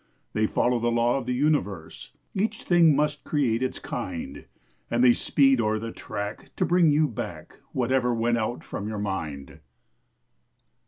They follow the law of the universe— Each thing must create its kind; And they speed o'er the track to bring you back Whatever went out from your mind.